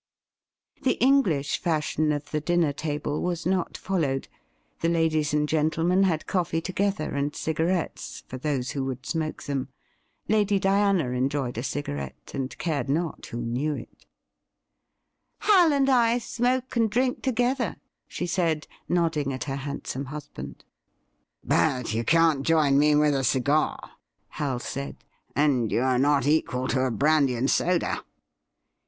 The English fashion of the dinner table was not followed. The ladies and gentlemen had coffee together and cigarettes — for those who would smoke them. Lady Diana enjoyed a cigarette, and cared not who knew it. • CLELIA VINE 65 ' Hal and I smoke and drink together,' she said, nodding at her handsome husband. ' But you can't join me with a cigar,' Hal said, ' and you are not equal to a brandy and soda.'